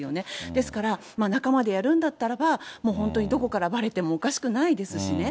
ですから仲間でやるんだったら、やるんだったらば、本当にどこからばれてもおかしくないですしね。